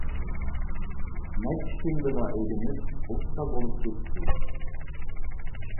نەچچە كۈندىلا ئۆگىنىپ ئۇستا بولۇپ كېتىسىز.